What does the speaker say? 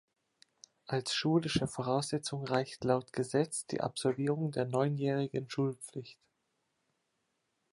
Als schulische Voraussetzung reicht laut Gesetz die Absolvierung der neunjährigen Schulpflicht.